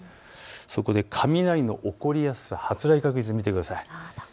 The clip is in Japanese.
そこで雷の起こりやすさ、発雷確率を見てください。